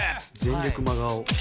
全力真顔